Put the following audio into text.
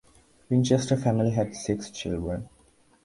Winchester family had six children.